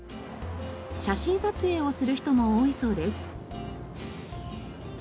写真撮影をする人も多いそうです。